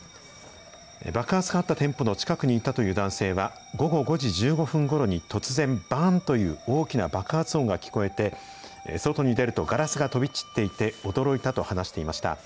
爆発があった店舗の近くにいたという男性は、午後５時１５分ごろに、突然、ばーんという大きな爆発音が聞こえて、外に出ると、ガラスが飛び散っていて、驚いたと話していました。